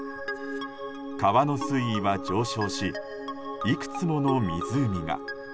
川の水位は上昇しいくつもの湖が。